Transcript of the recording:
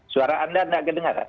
suara anda tidak terdengar